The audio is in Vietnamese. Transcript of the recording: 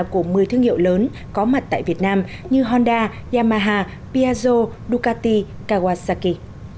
của một mươi thương hiệu lớn có mặt tại việt nam như honda yamaha piazzo ducati kawasaki